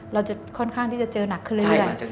เราจะค่อนข้างที่จะเจอหนักขึ้นเรื่อย